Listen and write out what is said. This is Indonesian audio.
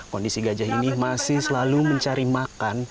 kondisi gajah ini masih selalu mencari makan